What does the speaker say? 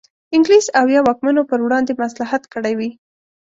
انګلیس او یا واکمنو پر وړاندې مصلحت کړی وي.